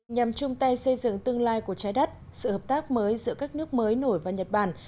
nhằm chung tay xây dựng tương lai của trái đất sự hợp tác mới giữa các nước mới nổi và nhật bản